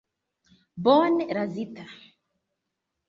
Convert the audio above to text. Bone razita.